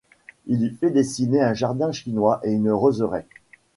Il y fit dessiner un jardin chinois et une roseraie.